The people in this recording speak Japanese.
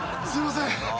すいません。